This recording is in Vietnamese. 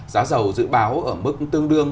giá giàu dự báo ở mức tương đương